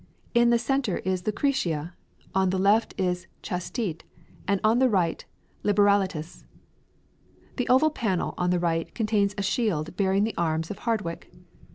In the centre is 'Lucrecia,' on the left 'Chastite,' and on the right 'Liberalitas.' The oval panel on the right contains a shield bearing the arms of Hardwick."